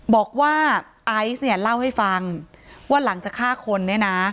บอกว่าไอซ์เนี่ยเล่าให้ฟังว่าหลังจากฆ่าคนเนี่ยนะ